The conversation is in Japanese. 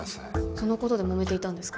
そのことでモメていたんですか？